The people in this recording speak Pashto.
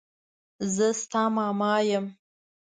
زه ستا ماما يم.